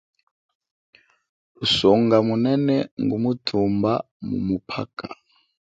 Lusonga munene ngumuthumba mumuphaka.